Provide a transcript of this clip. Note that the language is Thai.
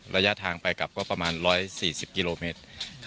ระยะทางไปกลับก็ประมาณ๑๔๐กิโลเมตร